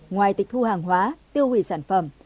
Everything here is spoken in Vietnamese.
ngoài tịch thu hàng hóa tiêu hủy sản phẩm